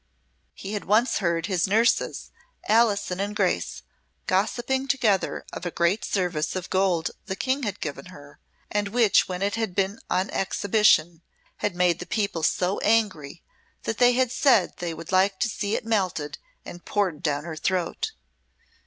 He had once heard his nurses Alison and Grace gossiping together of a great service of gold the King had given her, and which, when it had been on exhibition, had made the people so angry that they had said they would like to see it melted and poured down her throat.